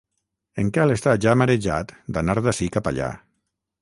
En Quel està ja marejat d'anar d'ací cap allà.